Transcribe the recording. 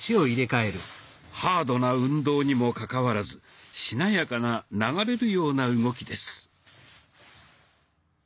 ハードな運動にもかかわらずしなやかな流れるような動きです。